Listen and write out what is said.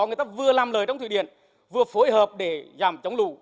người ta vừa làm lời trong thủy điện vừa phối hợp để giảm chống lũ